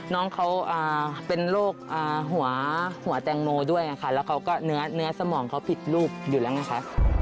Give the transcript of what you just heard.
น้องเขาเป็นโรคหัวแตงโมด้วยค่ะแล้วเขาก็เนื้อสมองเขาผิดรูปอยู่แล้วไงคะ